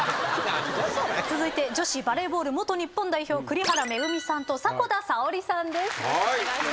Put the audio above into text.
続いて女子バレーボール元日本代表栗原恵さんと迫田さおりさんです。